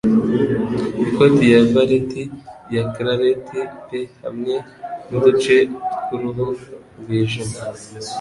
Ikoti ya veleti ya claret pe hamwe nuduce twuruhu rwijimye;